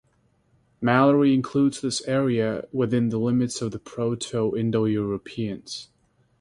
Mallory includes this area within the limits of the Proto-Indo-Europeans.